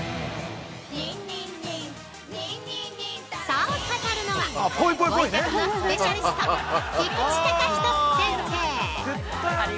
◆そう語るのはポイ活のスペシャリスト菊地崇仁先生！